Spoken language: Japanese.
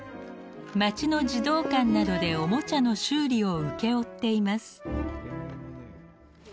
町の児童館などでおもちゃの修理を請け負っています。